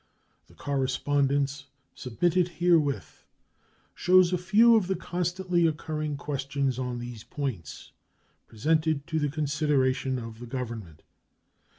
The correspondence submitted herewith shows a few of the constantly occurring questions on these points presented to the consideration of the Government.